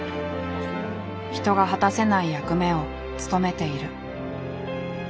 人が果たせない役目を務めている。